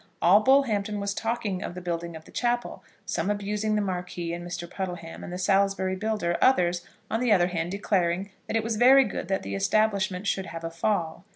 All Bullhampton was talking of the building of the chapel, some abusing the Marquis and Mr. Puddleham and the Salisbury builder; others, on the other hand, declaring that it was very good that the Establishment should have a fall.